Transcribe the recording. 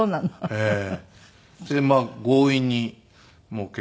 ええ。